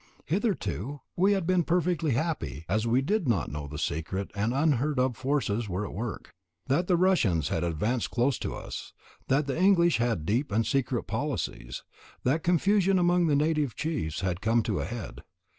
Hitherto we had been perfectly happy, as we did not know that secret and unheard of forces were at work, that the Russians had advanced close to us, that the English had deep and secret policies, that confusion among the native chiefs had come to a head.